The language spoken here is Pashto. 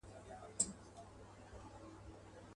په کورونو یې کړي ګډي د غم ساندي.